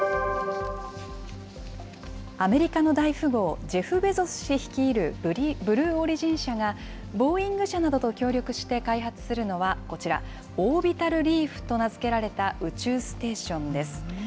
アメリカの大富豪、ジェフ・ベゾス氏率いるブルーオリジン社が、ボーイング社などと協力して開発するのはこちら、オービタル・リーフと名付けられた宇宙ステーションです。